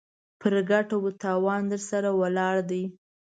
پر ګټه و تاوان درسره ولاړ دی.